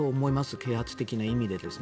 啓発的な意味でですね。